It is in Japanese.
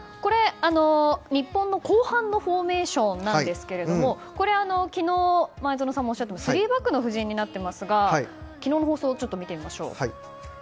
日本の後半のフォーメーションなんですが昨日、前園さんもおっしゃっていた３バックの布陣になっていますが昨日の放送を見てみましょう。